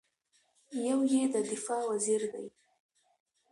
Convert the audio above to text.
یو یې د دفاع وزیر دی.